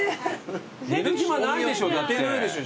寝る暇ないでしょ。